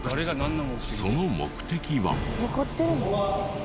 その目的は？